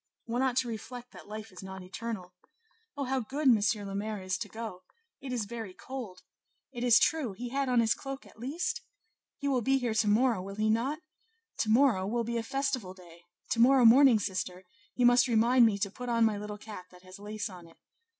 One ought to reflect that life is not eternal. Oh, how good M. le Maire is to go! it is very cold! it is true; he had on his cloak, at least? he will be here to morrow, will he not? to morrow will be a festival day; to morrow morning, sister, you must remind me to put on my little cap that has lace on it.